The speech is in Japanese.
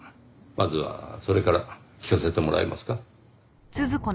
まずはそれから聞かせてもらえますか？